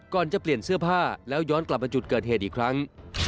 ก่อนจะเปลี่ยนเสื้อผ้าแล้วย้อนกลับมาจุดเกิดเหตุอีกครั้ง